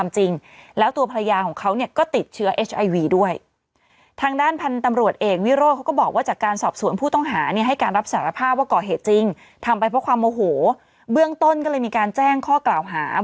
เชื้อด้วยทางด้านพันธุ์ตำลวทเอกวิโร่เขาก็บอกว่าจากการสอบสวนผู้ต้องฐานเนี้ยให้การรับสารภาพว่าก่อเหตุจริงทำไปเพราะความโมโหฮเรื่องต้นก็เลยมีการแจ้งข้อกล่าวหา